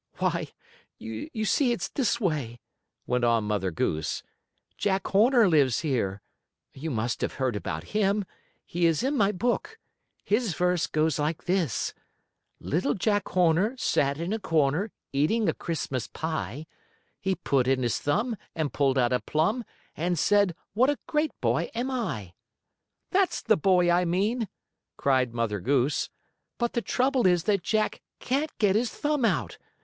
"Why, you see it's this way," went on Mother Goose. "Jack Horner lives here. You must have heard about him. He is in my book. His verse goes like this: "Little Jack Horner Sat in a corner, Eating a Christmas pie. He put in his thumb, And pulled out a plum, And said what a great boy am I. "That's the boy I mean," cried Mother Goose. "But the trouble is that Jack can't get his thumb out.